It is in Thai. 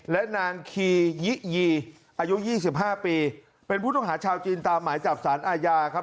และนางคียิยีอายุ๒๕ปีเป็นผู้ต้องหาชาวจีนตามหมายจับสารอาญาครับ